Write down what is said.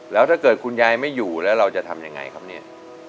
แล้วถ้าเกิดคุณยายไม่อยู่แล้วเราจะทำยังไงครับเนี่ย